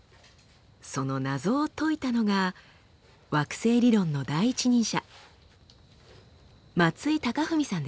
その謎を解いたのが惑星理論の第一人者